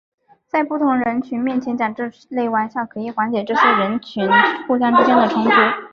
在不同人群面前讲这类笑话可以缓解这些人群互相之间的冲突。